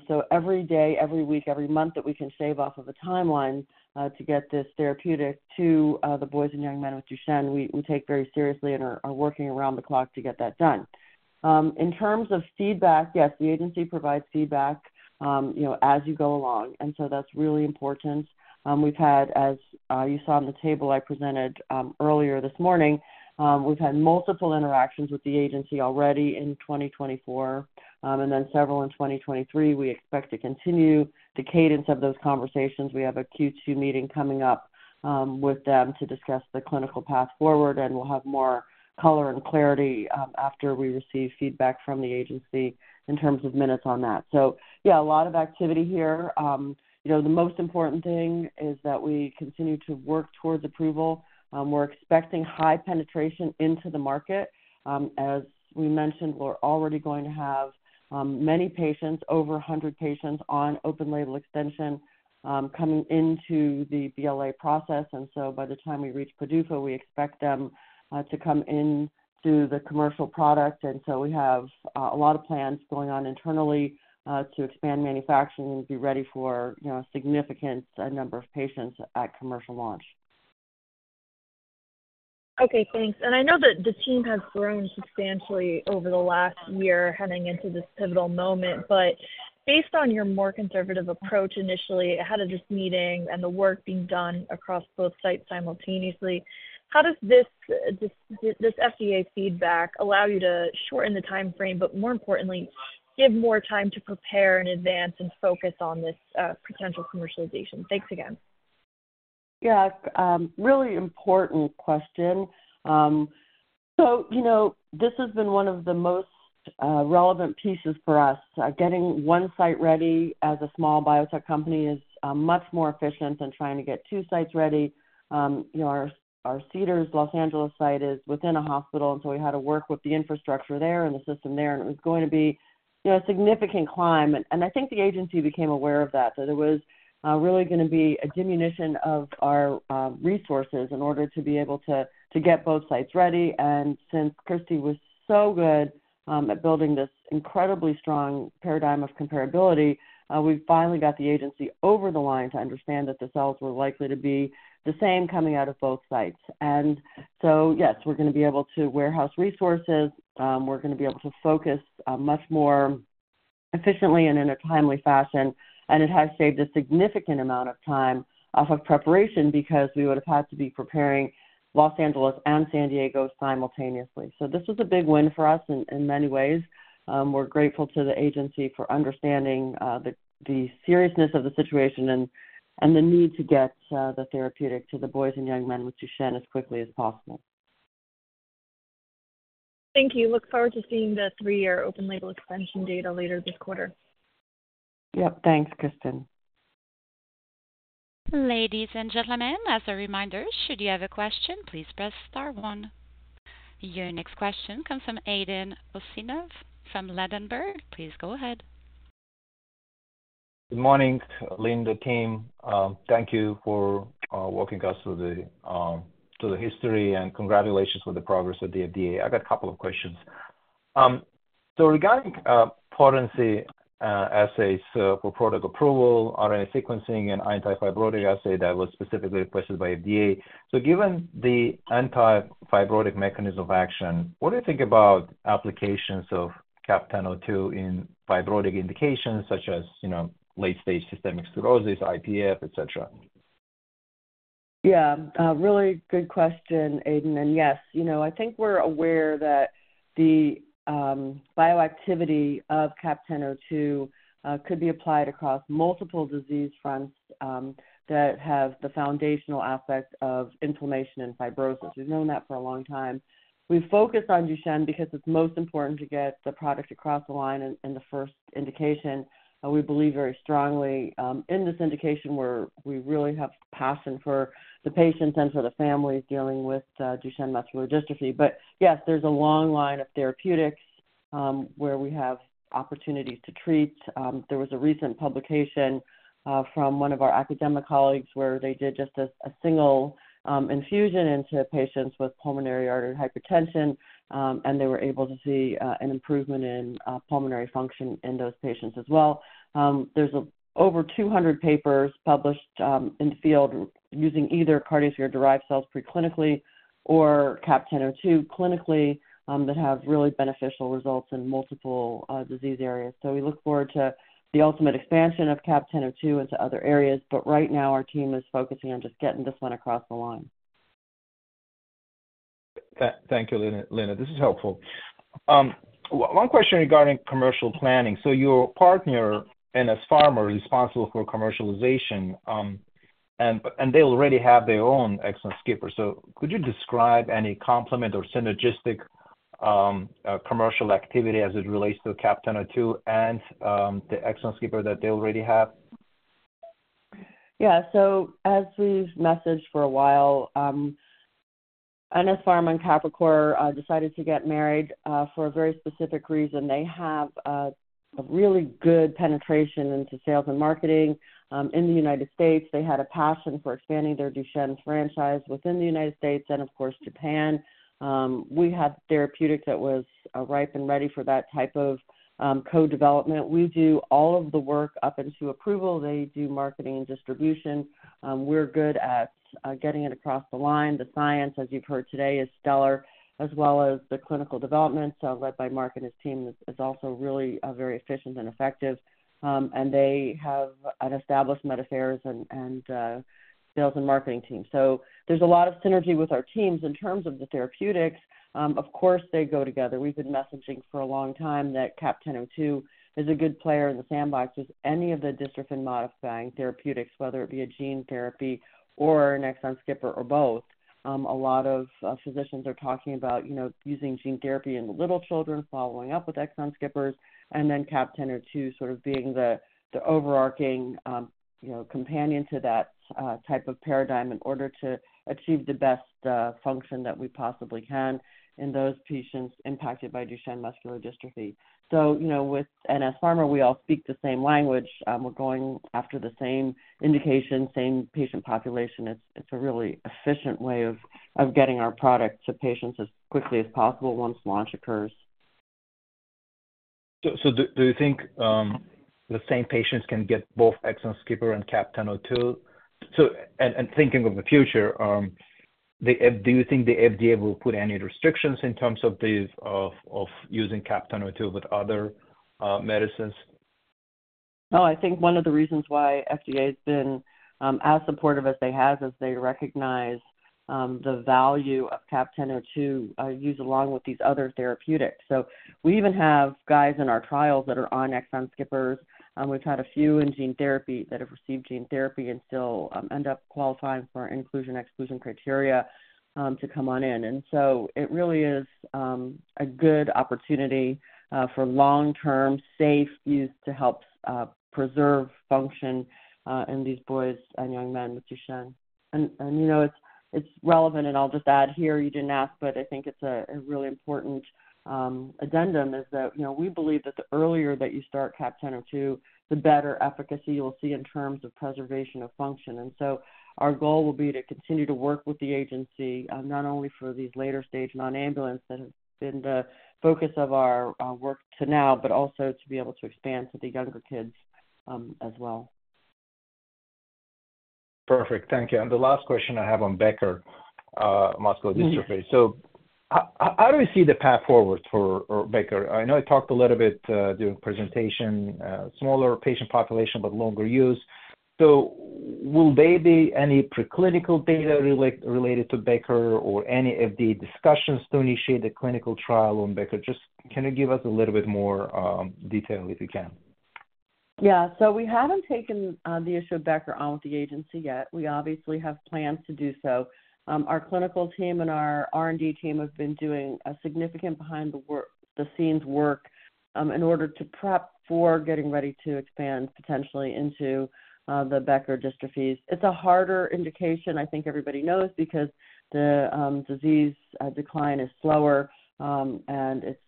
So every day, every week, every month that we can shave off of the timeline, to get this therapeutic to the boys and young men with Duchenne, we take very seriously and are working around the clock to get that done. In terms of feedback, yes, the agency provides feedback, you know, as you go along, and so that's really important. We've had, as you saw on the table I presented earlier this morning, we've had multiple interactions with the agency already in 2024, and then several in 2023. We expect to continue the cadence of those conversations. We have a Q2 meeting coming up with them to discuss the clinical path forward, and we'll have more color and clarity after we receive feedback from the agency in terms of minutes on that. So yeah, a lot of activity here. You know, the most important thing is that we continue to work towards approval. We're expecting high penetration into the market. As we mentioned, we're already going to have many patients, over 100 patients, on open label extension, coming into the BLA process. And so by the time we reach PDUFA, we expect them to come in to the commercial product. And so we have a lot of plans going on internally to expand manufacturing and be ready for, you know, a significant number of patients at commercial launch. Okay, thanks. And I know that the team has grown substantially over the last year heading into this pivotal moment, but based on your more conservative approach initially, ahead of this meeting and the work being done across both sites simultaneously, how does this FDA feedback allow you to shorten the time frame, but more importantly, give more time to prepare in advance and focus on this potential commercialization? Thanks again. Yeah, really important question. So, you know, this has been one of the most, relevant pieces for us. Getting one site ready as a small biotech company is, much more efficient than trying to get two sites ready. You know, our, our Cedars-Los Angeles site is within a hospital, and so we had to work with the infrastructure there and the system there, and it was going to be, you know, a significant climb. And I think the agency became aware of that, that it was, really going to be a diminution of our, resources in order to be able to, to get both sites ready. Since Kristi was so good at building this incredibly strong paradigm of comparability, we finally got the agency over the line to understand that the cells were likely to be the same coming out of both sites. So, yes, we're going to be able to warehouse resources, we're going to be able to focus much more efficiently and in a timely fashion, and it has saved a significant amount of time off of preparation because we would have had to be preparing Los Angeles and San Diego simultaneously. This is a big win for us in many ways. We're grateful to the agency for understanding the seriousness of the situation and the need to get the therapeutic to the boys and young men with Duchenne as quickly as possible. Thank you. Look forward to seeing the three-year open label expansion data later this quarter. Yep. Thanks, Kristen. Ladies and gentlemen, as a reminder, should you have a question, please press star one. Your next question comes from Aydin Huseynov from Ladenburg. Please go ahead. Good morning, Linda, team. Thank you for walking us through the history, and congratulations on the progress of the FDA. I've got a couple of questions. So regarding potency assays for product approval, RNA sequencing and anti-fibrotic assay, that was specifically requested by FDA. So given the anti-fibrotic mechanism of action, what do you think about applications of CAP-1002 in fibrotic indications such as, you know, late stage systemic sclerosis, IPF, et cetera? Yeah, a really good question, Aydin. Yes, you know, I think we're aware that the bioactivity of CAP-1002 could be applied across multiple disease fronts that have the foundational aspect of inflammation and fibrosis. We've known that for a long time. We focus on Duchenne because it's most important to get the product across the line in the first indication. We believe very strongly in this indication, where we really have passion for the patients and for the families dealing with Duchenne muscular dystrophy. But yes, there's a long line of therapeutics where we have opportunities to treat. There was a recent publication from one of our academic colleagues, where they did just a single infusion into patients with pulmonary arterial hypertension, and they were able to see an improvement in pulmonary function in those patients as well. There's over 200 papers published in the field using either cardiosphere-derived cells preclinically or CAP-1002 clinically, that have really beneficial results in multiple disease areas. So we look forward to the ultimate expansion of CAP-1002 into other areas, but right now our team is focusing on just getting this one across the line. Thank you, Linda. This is helpful. One question regarding commercial planning. So your partner, NS Pharma, responsible for commercialization, and they already have their own exon skipper. So could you describe any complement or synergistic commercial activity as it relates to CAP-1002 and the exon skipper that they already have? Yeah. So as we've messaged for a while, NS Pharma and Capricor decided to get married for a very specific reason. They have a really good penetration into sales and marketing in the United States. They had a passion for expanding their Duchenne franchise within the United States and, of course, Japan. We had therapeutics that was ripe and ready for that type of co-development. We do all of the work up until approval. They do marketing and distribution. We're good at getting it across the line. The science, as you've heard today, is stellar, as well as the clinical development led by Mark and his team, is also really very efficient and effective. And they have an established med affairs and sales and marketing team. So there's a lot of synergy with our teams. In terms of the therapeutics, of course, they go together. We've been messaging for a long time that CAP-1002 is a good player in the sandbox as any of the dystrophin-modifying therapeutics, whether it be a gene therapy or an exon skipper or both. A lot of physicians are talking about, you know, using gene therapy in the little children, following up with exon skippers, and then CAP-1002 sort of being the overarching, you know, companion to that type of paradigm in order to achieve the best function that we possibly can in those patients impacted by Duchenne muscular dystrophy. So, you know, with NS Pharma, we all speak the same language. We're going after the same indication, same patient population. It's a really efficient way of getting our product to patients as quickly as possible once launch occurs. So, do you think the same patients can get both exon skipper and CAP-1002? So, thinking of the future, do you think the FDA will put any restrictions in terms of these, of using CAP-1002 with other medicines? No, I think one of the reasons why FDA has been, as supportive as they have is they recognize, the value of CAP-1002, used along with these other therapeutics. So we even have guys in our trials that are on exon skippers. We've had a few in gene therapy that have received gene therapy and still, end up qualifying for inclusion/exclusion criteria, to come on in. And so it really is, a good opportunity, for long-term, safe use to help, preserve function, in these boys and young men with Duchenne. You know, it's relevant, and I'll just add here, you didn't ask, but I think it's a really important addendum, is that, you know, we believe that the earlier that you start CAP-1002, the better efficacy you'll see in terms of preservation of function. And so our goal will be to continue to work with the agency, not only for these later stage non-ambulant that have been the focus of our work to now, but also to be able to expand to the younger kids, as well. Perfect. Thank you. And the last question I have on Becker muscular dystrophy. So how do you see the path forward for, or Becker? I know I talked a little bit during presentation, smaller patient population, but longer use. So will there be any preclinical data related to Becker or any of the discussions to initiate the clinical trial on Becker? Just can you give us a little bit more detail if you can? Yeah. So we haven't taken the issue of Becker on with the agency yet. We obviously have plans to do so. Our clinical team and our R&D team have been doing a significant behind-the-scenes work in order to prep for getting ready to expand potentially into the Becker dystrophies. It's a harder indication, I think everybody knows, because the disease decline is slower, and it's,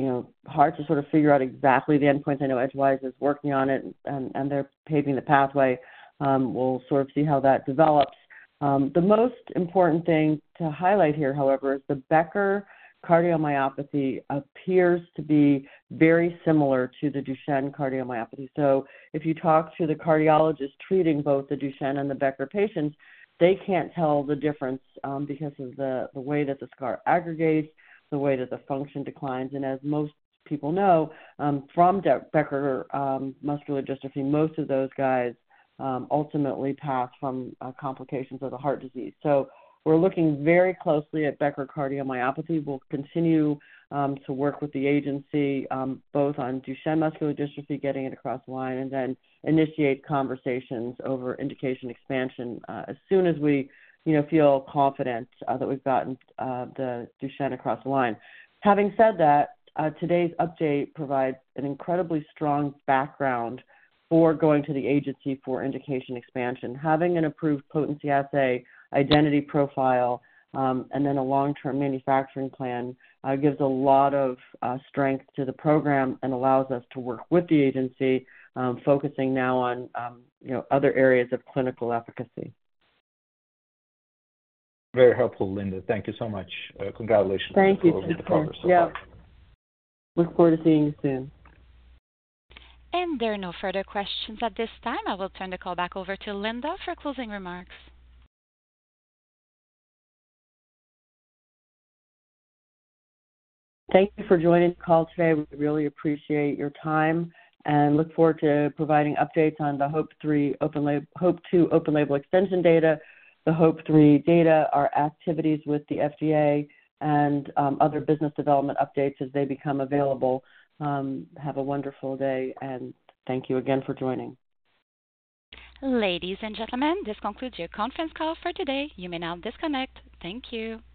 you know, hard to sort of figure out exactly the endpoint. I know Edgewise is working on it, and they're paving the pathway. We'll sort of see how that develops. The most important thing to highlight here, however, is the Becker cardiomyopathy appears to be very similar to the Duchenne cardiomyopathy. So if you talk to the cardiologist treating both the Duchenne and the Becker patients, they can't tell the difference, because of the way that the scar aggregates, the way that the function declines. And as most people know, from Becker muscular dystrophy, most of those guys ultimately pass from complications of the heart disease. So we're looking very closely at Becker cardiomyopathy. We'll continue to work with the agency, both on Duchenne muscular dystrophy, getting it across the line, and then initiate conversations over indication expansion, as soon as we, you know, feel confident that we've gotten the Duchenne across the line. Having said that, today's update provides an incredibly strong background for going to the agency for indication expansion. Having an approved potency assay, identity profile, and then a long-term manufacturing plan gives a lot of strength to the program and allows us to work with the agency, focusing now on you know other areas of clinical efficacy. Very helpful, Linda. Thank you so much. Congratulations- Thank you. On the progress so far. Yeah. Look forward to seeing you soon. There are no further questions at this time. I will turn the call back over to Linda for closing remarks. Thank you for joining the call today. We really appreciate your time and look forward to providing updates on the HOPE-3 open label- HOPE-2 open label extension data, the HOPE-3 data, our activities with the FDA and other business development updates as they become available. Have a wonderful day, and thank you again for joining. Ladies and gentlemen, this concludes your conference call for today. You may now disconnect. Thank you.